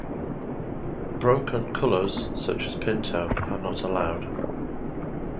"Broken" colours such as pinto are not allowed.